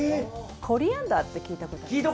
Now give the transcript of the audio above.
コリアンダーって聞いたことあります？